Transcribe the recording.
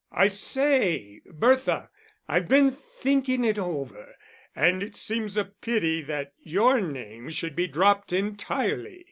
"I say, Bertha, I've been thinking it over and it seems a pity that your name should be dropped entirely.